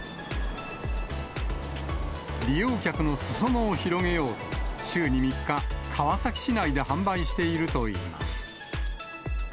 利用客のすそ野を広げようと、週に３日、川崎市内で販売しているといいます。